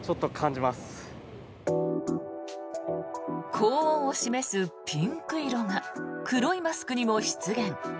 高温を示すピンク色が黒いマスクにも出現。